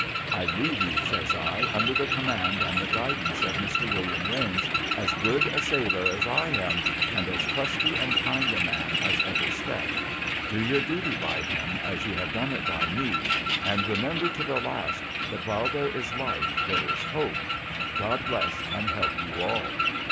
' I leave you,' says I, ' under the command and the guidance of Tvlr. "William Rames, as good a sailor as I am, and as trusty and kind a man as ever stepped. Do your duty by him, as you have done it by me ; and remember to the last, that while there is life there is hope. God bless and help you all